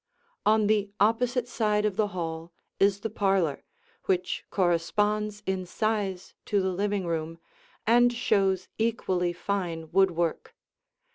On the opposite side of the hall is the parlor, which corresponds in size to the living room and shows equally fine woodwork.